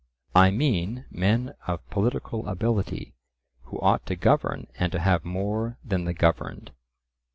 "I mean men of political ability, who ought to govern and to have more than the governed."